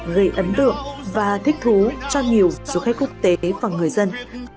gây ấn tượng và thích thú cho nhiều du khách quốc tế và người dân